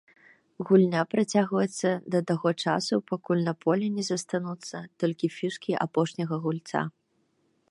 Гульня працягваецца да таго часу, пакуль на полі не застануцца толькі фішкі апошняга гульца.